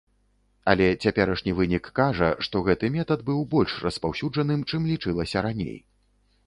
Але цяперашні вынік кажа, што гэты метад быў больш распаўсюджаным, чым лічылася раней.